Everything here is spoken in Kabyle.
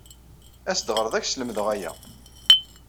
As-d ɣer da, ad ak-slemdeɣ aya.